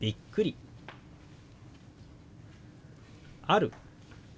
「ある」。